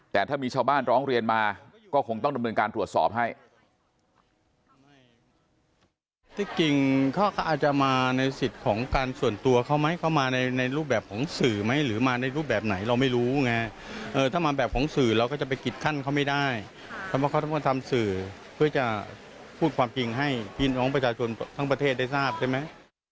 แต่ถ้ามีชาวบ้านร้องเรียนมาก็คงต้องดำเนินการตรวจสอบให้